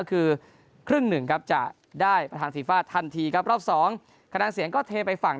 คือครึ่งหนึ่งครับจะได้ประธานฟีฟ่าทันทีครับรอบสองคะแนนเสียงก็เทไปฝั่ง